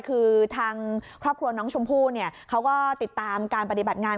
คือทางครอบครัวน้องชมพู่เขาก็ติดตามการปฏิบัติงาน